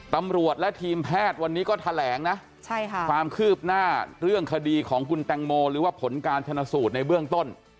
ตำรวจและทีมแพทย์วันนี้ก็แถลงนะความคืบหน้าเรื่องคดีของคุณแตงโมหรือว่าผลการชนะสูตรในเบื้องต้น